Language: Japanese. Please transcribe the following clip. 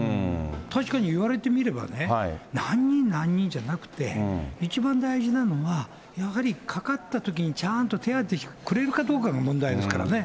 確かに言われてみればね、何人何人じゃなくて、一番大事なのは、やはりかかったときに、ちゃんと手当てしてくれるかどうかが問題ですからね。